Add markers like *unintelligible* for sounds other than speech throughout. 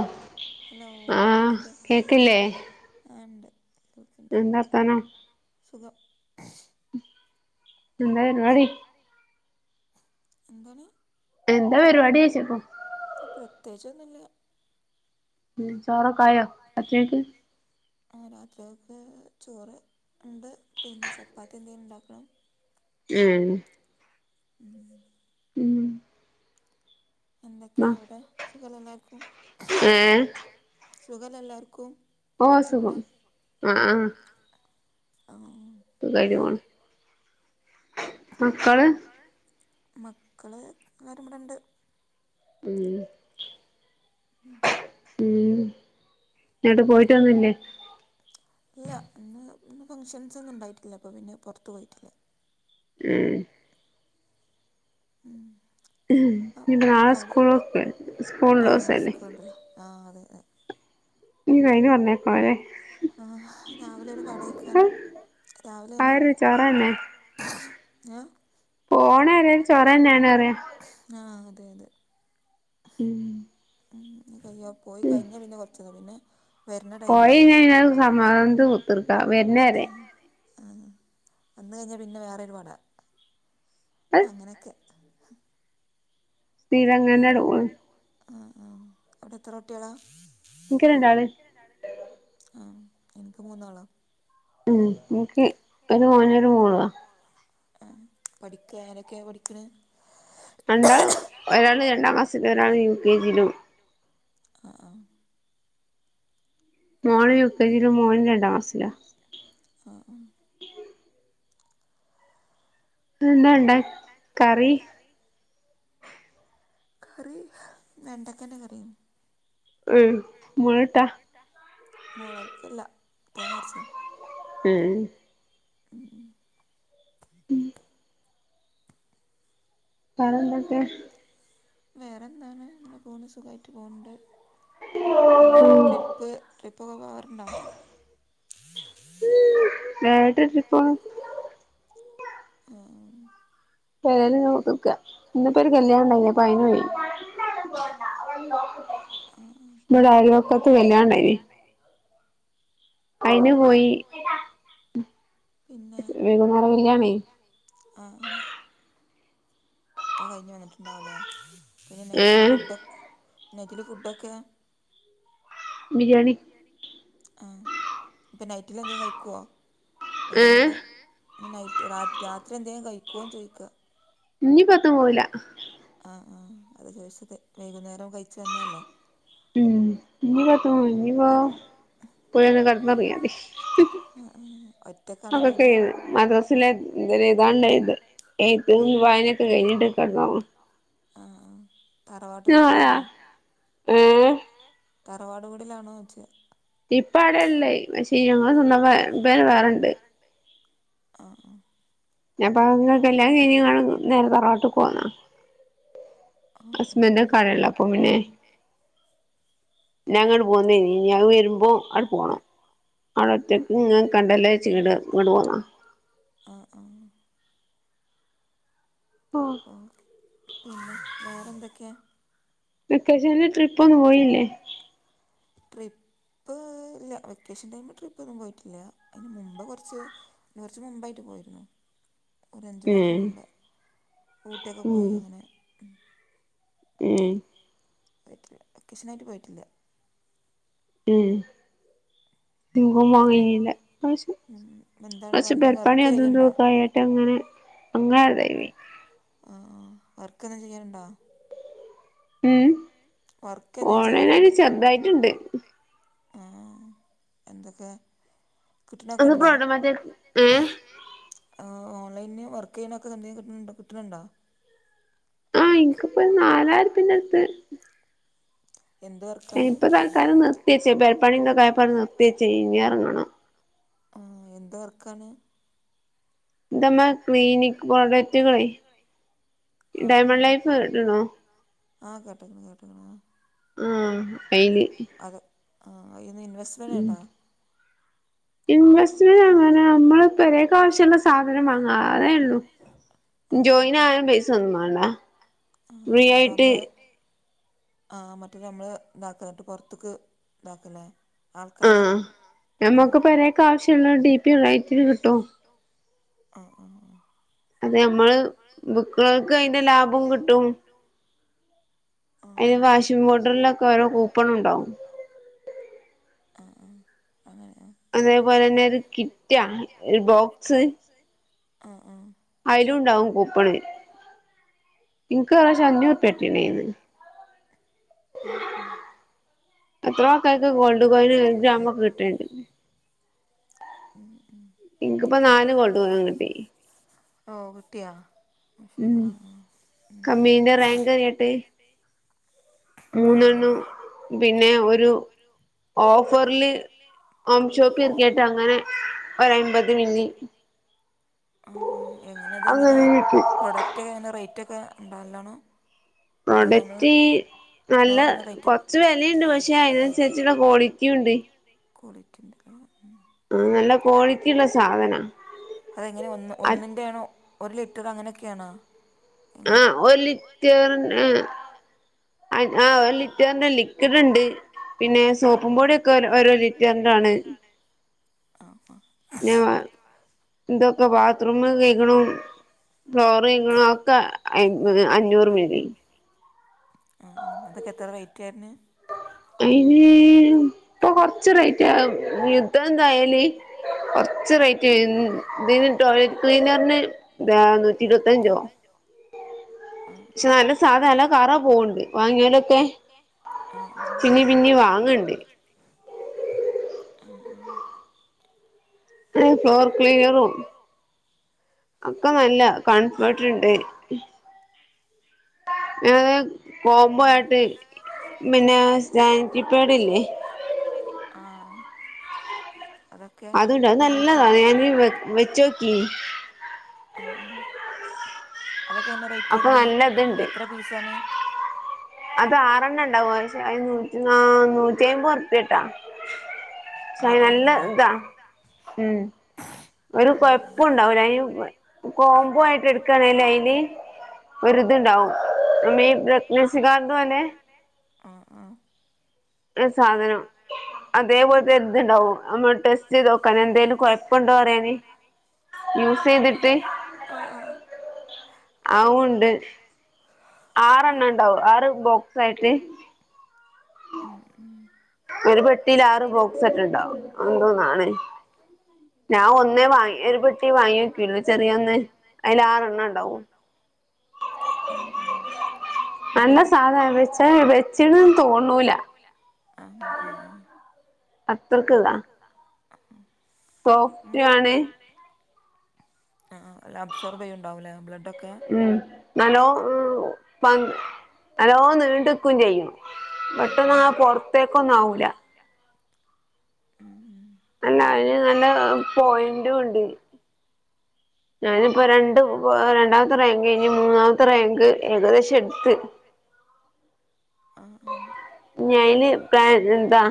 Hello hello കേൾക്കണില്ലേ ആഹ് കേൾക്കില്ലേ ആ ഉണ്ട് കേൾക്കുണ്ട്‌ എന്താ വർത്താനം സുഖം എന്താ പരുപാടി എന്താണ് എന്താ പരിപാടി ചോയിച്ചെ ഇപ്പോ? ഇപ്പോ പ്രത്യേകിച്ചൊന്നും ഇല്ല ഉം ചോറൊക്കെ ആയോ രാത്രിയെക്ക്? ആഹ് രാത്രിക്ക് ചോറ് ഉണ്ട് പിന്നെ ചപ്പാത്തി എന്തെങ്കിലും ഉണ്ടാക്കണം ഉം ഉം എന്തൊക്കെയാ അവടെ സുഖല്ലേ എല്ലാർക്കും സുഖല്ലേ എല്ലാർക്കും ഓ സുഖം ആഹ് ആഹ് സുഖമായിട്ട് പോണു മക്കള് മക്കള് എല്ലാരും ഇവിടൊണ്ട് ഉം ഉം ഉം എന്നോട്ട് പോയിട്ട് വന്നില്ലേ ഇല്ല ഇന്ന് ഇന്ന് ഫംഗഷൻസൊന്നും ഉണ്ടായിട്ടില്ല അപ്പൊ പിന്നെ പൊറത്തു പോയിട്ടില്ല ഉം ഉം ഉം ഇനിയിപ്പോ നാളെ സ്കൂള് തുറക്കുവല്ലേ സ്കൂളൊള്ള ദിവസമല്ലേ ആഹ് അതെ അതെ ആഹ് രാവിലെ ഒരു പടയിക്കാരോ രാവിലേ ആഹ് പോണ വരെ ചൊറ തന്നെ ആണ് പറയാ ആ അതെ അതെ ഉം ഉം ഇപ്പഞാ പോയി കഴിഞ്ഞ പിന്നെ കൊറച്ചതാ പിന്നെ വര്ണെ ടൈമായാല് പോയാഴിഞ്ഞാ പിന്നെ സമാധാനത്ത് കുത്തെറ്ക്കാ വര്നെരെ ആഹ് വന്ന് കഴിഞ്ഞാ പിന്നെ വേറോര് പടാ അങ്ങനെക്കെ പിന്നെങ്ങേനാണ്ട് പോണ്‌ ആഹ് ആഹ് അവിടെ എത്ര കുട്ട്യേളാ ഇൻക്ക് രണ്ടാള് ആഹ് ഇൻക്ക് മൂന്നാളാ ഉം ഇൻക്ക് ഒര് മോനും ഒര് മോളാ ഏഹ് പഠിക്കാ ആരെക്കെ പഠിക്ക്ണെ രണ്ടാ ഒരാള് രണ്ടാം ക്ലാസ്സില് ഒരാള് യുകെജിലും ആഹ് ആഹ് മോള് യുകെജിലും മോന് രണ്ടാം ക്ലാസ്സ്‌ലാ ആഹ് എന്താണ്ടാ കറി കറി വേണ്ടക്കൻ്റെ കറിയേനി *unintelligible* മോള്ട്ടാ മോളകല്ല തേങ്ങര്ച്ചാ ഏഹ് ഉംഉം ഉം പറന്തൊക്കെ വേറെ എന്താണ് അങ്ങനെ പോണ്‌ സുഖായിട്ട് പോവ്ണ്ട് ഉം പിന്നെ ട്രിപ്പ് ട്രിപ്പൊക്കെ പോവാറ്ണ്ടോ ഹ ഹ വേട ട്രിപ്പ് ആഹ് ആഹ് പേരേല്ങ്ങനെ കുത്തറ്ക്കാ ഇന്ന്പ്പോര് കല്യാണണ്ടായിനി അപ്പയിനോയി പോണ്ട അവ നോക്കട്ട ആഹ് ആഹ് ഇബടെ അയലോക്കത്ത് കല്യാണണ്ടായിനി ഓഹ് ഓഹ് അയിന് പോയി പിന്നെ വൈകുന്നേര കല്ല്യാണേനി ആഹ് ആഹ് അത് കഴിഞ്ഞ് വന്നിട്ട്ണ്ടാവുല്ലേ പിന്നെ നൈറ്റില് ഫുഡ് നൈറ്റില് ഫുഡൊക്കെ ബിരിയാണി ബിരിയാണി ആ ഇപ്പൊ നൈറ്റിൽ എന്തേലും കഴിക്കോ വൈകുന്നേരം ഏഹ് ഇന് നൈറ്റ് രാ രാത്രി എന്തേം കഴിക്കോന്ന് ചോയ്ക്കാ ഇഞ്ഞ്പ്പെത്തും പോവൂല ആഹ് ആഹ് അതാ ചോയ്ച്ചത് വൈകുന്നേരം കഴിച്ച് വന്നല്ലേ ഉം ഇഞ്ഞ്പ്പെത്തും പോവൂല ഇഞ്ഞ്പ്പോ പോയാണ്ട് കെടന്നൊറ്ങ്യാതി മക്കക്കെ മദ്റസ് സലെ എഴ്താള്ളേ എഴ്താ എഴ്ത്തും വായനെ വായനെക്കെ കഴിഞ്ഞിട്ട് കെടന്നോറങ്ങും ആഹ് ആഹ് തറവാട്ട് വീട്ടിലാണോ ഏഹ് തറവാട് വീടിലാണോയ്ച്ചാ ഇപ്പ അവ്ടെള്ളേ പക്ഷെ ഞങ്ങളെ സ്വന്തം പെ പെര വേറണ്ട് ആഹ് ആഹ് ഞാപ്പങ്ങനെ കല്യാണം കഴിഞ്ഞ്ക്കാണ്ട് നേരെ തറവാട്ട്ക്കോന്നോ ആഹ് ഹസ്ബന്റോക്കെ ആടെള്ളേ അപ്പോ പിന്നെ ഞാൻ ഇങ്ങട്ട് പോന്നേനീ ഇഞ്ഞ് അത് വര്മ്പോ ആണ്ട് പോണം അവടൊറ്റക്ക് ഇങ്ങനെ നിക്കണ്ടല്ലോച്ച് ഇങ്ങട് ഇങ്ങട്ട് പോന്നാ ആഹ് ആഹ് ഓഹ് *unintelligible* പിന്നെ വേറെ എന്തൊക്കെയാ വെക്കേഷനിൽ ട്രിപ്പ് ഒന്നും പോയില്ലേ ട്രിപ്പ് ഇല്ല വെക്കേഷൻ ടൈമിൽ ട്രിപ്പ് ഒന്നും പോയിട്ടില്ല അതിന് മുമ്പ് കുറച്ച് കുറച്ച് മുമ്പായിട്ട് പോയിരുന്നു ഒരഞ്ചു മാസം മുമ്പ് ഊട്ടിയൊക്കെ പോയി അങ്ങനെ ഉമ് പോയിട്ടില്ല വെക്കേഷനായിട്ട് പോയിട്ടില്ല മ്മ് *unintelligible* പക്ഷ പേര്പ്പണി അതും തോക്ക ആയിട്ട് അങ്ങനെ അങ്ങനെ അത ആഹ് ആഹ് വർക്കെന്നും ചെയ്യറുണ്ടോ മ്മ് ഓൺലൈൻ ആയിട്ട് ചെറുതായിട്ടുണ്ട് ആഹ് എന്താപ്പൊ കിട്ടണക്കെ ഉണ്ടോ ആഹ് ഓൺലൈനി വർക്ക് ചെയ്യാനൊക്കെ സമയം കിട്ടണിണ്ട് കിട്ടണിണ്ടോ പ്പോ നാലായിര ഉർപ്പ്യ ന്റെ അടുത്ത് എന്ത് വർ കാണ് ഇപ്പൊ തൽക്കാലം നിർത്തിവെച്ചേക്കുക പെരപ്പണി തൽക്കാലം നിർത്തി വെച്ചേക്കുവാ ഇറങ്ങണം ആഹ് എന്തു വർക്കാണ് നമ്മ ക്ലീനിക് ഗോൾഗറ്റുകളെ ആഹ് ആഹ് ഡയമ ലൈഫ് ഇടണോ ആഹ് കേട്ട്ക്ക്ണ് കേട്ട്ക്ക്ണ് ആഹ് ആഹ് അത് ആഹ് അതീന്ന് ഇൻവെസ്റ്റ്മെന്റ് ഉണ്ടോ ഇൻവെസ്റ്റ്മെൻ്റ് അങ്ങനെ മ്മളെ പെരേക്ക് ആവശ്യമുള്ള സാധനം വാങ്ങാ അതേയുള്ളു ആഹ് ജോയിനാകാൻ പൈസ ഒന്നും മാണ്ട ആഹ് അപ്പൊ നമ്മള് ആഹ് മറ്റേ നമ്മള് ഇതാക്ക എന്നിട്ട് പൊറത്ത്ക്ക് ഇതാക്കല്ലേ ആൾക്കാര് ആഹ് ആഹ് ആഹ് നമ്മക്ക് പെരേക്ക് ആവശ്യള്ളത് ഇപ്പൊ ഈ റേറ്റിന് കിട്ടും ആഹ് ആഹ് ആഹ് അതെ നമ്മള് ബുക്കുകൾക്ക് അയ്ന്റെ ലാഭം കിട്ടും ആഹ് അതിലെ വാഷിംഗ് പൗഡറിലൊക്കെ ഓരോ കൂപ്പൺ ഉണ്ടോ ആഹ് ആഹ് അങ്ങനെ ആഹ് അതേപോലെ തന്നെ ത് കിറ്റ ഒരു ബോക്സ് ആഹ് ആഹ് അയിലുണ്ടാവും കൂപ്പണ് ഇൻക്ക് *unintelligible* അയ്ന്ന് എത്രയോ ആൾക്കാർക്ക് ഗോൾഡ് കോയിനും ഒരു ഗ്രാമും ഒക്കെ കിട്ടണുണ്ട് ഇനക്കിപ്പൊ നാല് ഗോൾഡ് കോയിൻ കിട്ടി ഓഹ് കിട്ടി യോ *unintelligible* ആഹ് അങ്ങനെ പിന്നെ ഒരു ഓഫറില് ഓം ഷോക്ക് എക്കട്ട് അങ്ങനെ ഒര അമ്പത് മില്ലി *inaudible* ആഹ് ആഹ് എങ്ങനെ അത് എങ്ങനെ പ്രോഡക്റ്റ് ക്ക അങ്ങനെ റേറ്റ് ഒക്കെ ഉണ്ടാവില്ലാണോ അഹ് നമ്മള് *unintelligible* നോർമൽ റേറ്റ് കൊത്ത് വിലുണ്ട് പക്ഷെ അതിനനുസരിച്ചുള്ള ക്വാളിറ്റിയ ഉണ്ട് ക്വാളിറ്റി ഉണ്ട്ല്ലേ ആഹ് നല്ല ക്വാളിറ്റിള്ള സാധനാ അതെങ്ങനെ ഒന്ന് ഒന്നിന്റെ ആണോ ഒരു ലിറ്റർ അങ്ങനെയൊക്കെ ആണോ ആഹ് ഒലിറ്റർ ആഹ് ആഹ് ഒരു ലിറ്ററിന്റെ ലിക്വിഡ് ഉണ്ട് പിന്നെ സോപ്പും പൊടിയ ഒക്കെ ഓരോ ലിറ്ററിറ ആണ് റ്റാ ണ് *inaudible* ആഹ്‌ ആഹ്‌ പിന്നെ എന്തൊക്കെ ബാത്റൂമ് കഴിക്കണും ഫ്ലോർ *unintelligible* ഇങ്ങ ഒക്കെ മ്മ്മ് അഞ്ഞൂറ് മില്ലി ആഹ്‌ ആഹ്‌ അതൊക്കെ എത്ര റെയിറ്റ് വരുന്നേ അയിന് ഇപ്പൊ കൊറച്ച് റേറ്റ് യുദ്ധം ണ്ടായേലേ കൊറച്ച് റേറ്റ് വരും തിന് ടോയ്ലറ്റ് ക്ലീനറിന് എാ നൂറ്റി ഇരുപത്തഞ്ചോ പക്ഷെ നല്ല സാധന നല്ല കറ പോവ്ണ്ട് വാങ്ങിയേലൊക്കെ പിന്നീ പിന്നീ വാങ്ണ്ട് ഏ ഫ്ലോർ ക്ലീനറും ഒക്കെ നല്ല കൺഫേർട്ട്ണ്ട് അത *unintelligible* *inaudible* ഏഹ് കോംബോ ആയിട്ട് പിന്നെ സാന്റി പാഡ്ല്ലേ *unintelligible* ആഹ്‌ അത്ണ്ട് അത് നല്ലതാണ് ഞാന് വേ വേച്ചോകീനി ആഹ്‌ അതൊക്കെ എന്ന റേറ്റ് വരുന്നേ എത്ര പീസാണ് അത് ആറെണ്ണ ണ്ടാവും പക്ഷെ അയിന് നൂറ്റി നൂറ്റിഅയിമ്പത് ഉറുപ്പിയട്ടാ ശേ നല്ല ഇതാ ഉം ഒരു കൊഴപ്പും ഉണ്ടാവൂല അതിന് കോംബോ ആയിട്ട് എടുക്കാണെല് അയി *unintelligible* ഒരുതുണ്ടാവും ഈ പ്രഗ്നൻസി കാർഡ് പോലെ ആഹ്‌ ആഹ്‌ ഒര് സാധനം അതേപോലെത്തെ തുണ്ടാവും നമ്മൾ ടെസ്റ്റ് ചെയ്ത് നോക്കാൻ എന്തേലും കുഴപ്പ കൊഴപ്പണ്ടോ അറയാന് ടെസ്റ്റ്‌ ചെയ്തിട്ട് ആഹ്‌ ആഹ് അഊണ്ട്. ആറെണ്ണണ്ടാവും ആറ് ബോക്സ് ആായിട്ട് ഉ *unintelligible* ഉ ഉ *unintelligible* ഒരു പെട്ടീല് ആറ് ബോക്സ് എറ്റണ്ടാകും. അത് ന്തോന്നാണ് ഞാൻ ഒന്നേ വാങ്ങി ഒരു പെട്ടി വാങ്ങിയൊക്കുള്ളു ചെറിയ ഒന്ന് അതിൽ ആറെണ്ണേ ഉണ്ടാവു *unintelligible* ആ ആഹ്‌ *unintelligible* നല്ല സാധ വച്ച വെച്ച തോന്നൂല *inaudible* ആഹ് ആഹ് അത്രക്ക്താ സോഫ്റ്റ് ആാണ് ഹ്‌ ആഹ്‌ അബ്സർവ്യ്യ്ണ്ടാവൂലേ ആ ബ്ലഡ് ഉം നല്ലോ *inaudible* *unintelligible* നല്ലോം നീണ്ട്ക്കും ചെയ്യും പെട്ടെന്ന് ആ പൊറത്തേക്കോന്നും ആവൂല *inaudible* അല്ല അയിന് നല്ല പോയിന്റോണ്ട് ഞാനിപ്പോ രണ്ട് രണ്ടാമത്തെ റാങ്ക് കഴിഞ്ഞ് മൂന്നാമത്തെ റാങ്ക് ഏകദേശം എടുത്ത് ആഹ്‌ ആഹ്‌ ഞ്ഞി അയില് പപ്ലാ *unintelligible* നെന്താ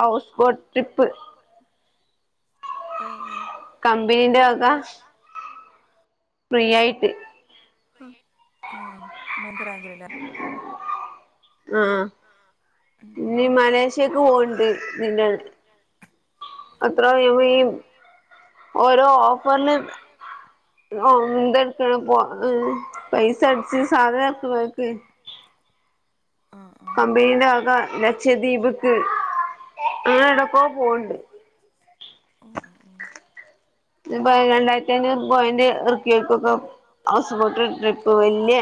ഹൗസ് ബോട്രിപ്പ് കബ്ബനിന്റെ വക ഫ്രീയായിട്ട് ആ മോന്റെരാഗ്രഹല്ലേ ആഹ്‌ ആഹ്‌... ആഹ്‌ ഇഞ്ഞി മലേഷ്യക്ക് പോവ്ണ്ട് പിന്നെ അത്ര *unintelligible* *inaudible* ഓരോ ഓഫറ്ല് ഓഹ് എന്തടുക്കണ പോ ഏഹ് പൈസ അടച്ച് സാധന എടുക്കുന്നെർക്ക് കമ്പനീന്റെ വക ലച്ച ദ്വീപ്ക്ക് ഓൻ ഏടൊക്കോ പോവ്ണ്ട്. ഏഹ് ഇത്പ്പോ രണ്ടായിരത്തി അഞ്ഞൂറ് പോയിന്റ് ഇറക്കിയോൽക്കൊക്കെ ഹൗസ് ബോട്ട് ട്രിപ്പ് വല്യേ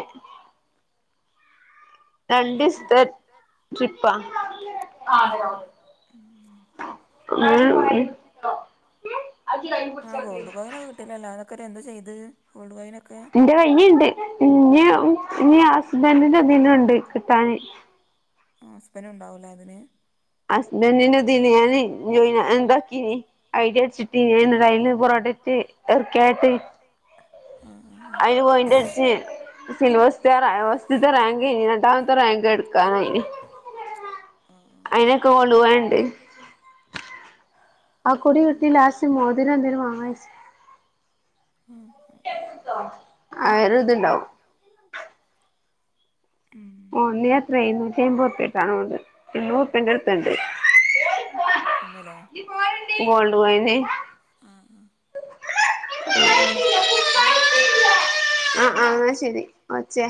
രണ്ടീത്ത ട്രിപ്പാ *inaudible* *unintelligible* എല്ലാരോക്കെ രെന്തുചെയ്ത് *unintelligible* എന്റെ കയ്ഞ്ഞിണ്ട്. ഇഞ്ഞ് ഇഞ്ഞ് ഹസ്ബന്റിന്റെ ഇതീന്നുണ്ട് കിട്ടാന്. ആ ഹസ്ബന്റുണ്ടാവുല്ലേ അതിന് ഹസ്ബന്റിന്റെ ഇതില് ഞാനെ ജോയിനാ എന്താക്കിനി ഐഡി അടിച്ചിട്ട്നി ഞാനതയില് പ്രോഡക്റ്റ് എർക്കാട്ട് അയിന് പോയിന്റട്ച്ച് സിൽവർ സ്റ്റാറായ ഫസ്റ്റ്ത്തെ ഇൻക്ക് റാങ്കയീന് രണ്ടാമത്തെ റാങ്ക് എട്ക്കാനായിന്. ഏഹ് ഏഹ് അയിനൊക്കെ ഗോൾഡ് കോയിണ്ട്. അഹ് കൂടി കിട്ടി ലാസ്റ്റ് മോതിരം എന്തേലും വാങ്ങാര്ച്ച്. ആഹ് ആഹ് ഒര്ത്‌ണ്ടാവും. ഉം ഉംപുതിയ പ്ലെയിറ്റ് ഇപ്പ ഒപ്പിക്കണം ഒന്ന് മുഫിന്റെടത്ണ്ട്. ഒന്ന് ലെ ഗോൾഡ് കോയിന് ആഹ് ആഹ് *inaudible* ആഹ് ആഹ് ശെരി ഒച്ചേ